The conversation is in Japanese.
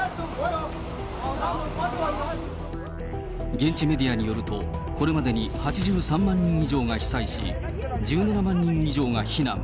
現地メディアによると、これまでに８３万人以上が被災し、１７万人以上が避難。